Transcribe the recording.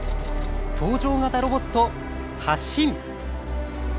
搭乗型ロボット、発進。